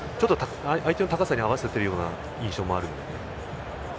相手の高さに合わせているような印象があるので。